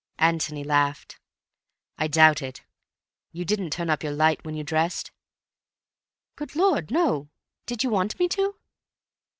Antony laughed. "I doubt it.... You didn't turn up your light when you dressed?" "Good Lord, no. Did you want me to?"